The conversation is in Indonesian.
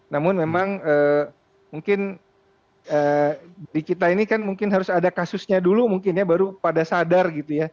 namun memang mungkin di kita ini kan harus ada kasusnya dulu baru pada sadar